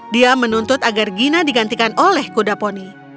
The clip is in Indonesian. dia menuntut agar gina digantikan oleh kuda poni